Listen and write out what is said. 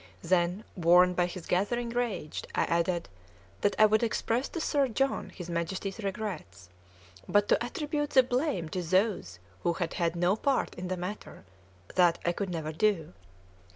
Then, warned by his gathering rage, I added that I would express to Sir John his Majesty's regrets, but to attribute the blame to those who had had no part in the matter, that I could never do.